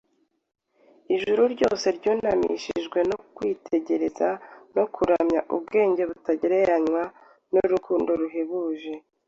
Ijuru ryose ryunamishijwe no kwitegereza no kuramya ubwenge butagereranywa n’urukundo ruhebuje.